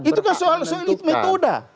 itu kan soal metoda